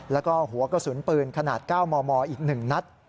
แล้วก็หัวกระสุนปืนขนาด๙มมอีก๑นัด